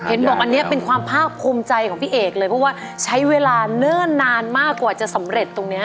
เห็นบอกอันนี้เป็นความภาคภูมิใจของพี่เอกเลยเพราะว่าใช้เวลาเนิ่นนานมากกว่าจะสำเร็จตรงนี้